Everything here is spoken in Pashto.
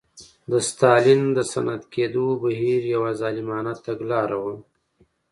د ستالین د صنعتي کېدو بهیر یوه ظالمانه تګلاره وه